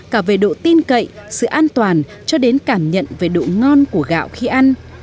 cả về độ tin cậy sự an toàn cho đến cảm nhận về độ ngon của gạo khi ăn